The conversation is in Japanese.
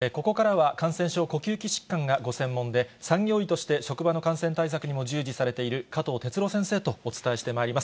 ここからは感染症呼吸器疾患がご専門で、産業医として職場の感染対策にも従事されている加藤哲朗先生とお伝えしてまいります。